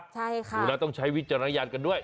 ใช่ค่ะดูแล้วต้องใช้วิจารณญาณกันด้วย